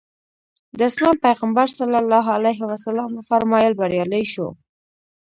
د اسلام پیغمبر ص وفرمایل بریالی شو.